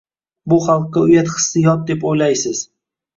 Bu xalqqa uyat hissi yot deb oʻylaysiz.